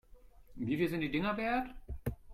Wie viel sind die Dinger wert?